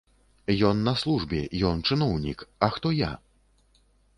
Ён на службе, ён чыноўнік, а хто я?